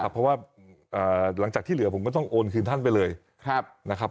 เพราะว่าหลังจากที่เหลือผมก็ต้องโอนคืนท่านไปเลยนะครับ